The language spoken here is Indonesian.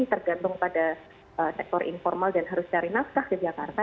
tergantung pada sektor informal dan harus cari nafkah ke jakarta